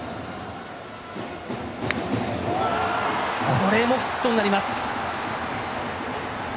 これもヒットになります。